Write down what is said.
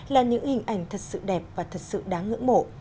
là những hình ảnh thật sự đẹp và thật sự đáng ngưỡng mộ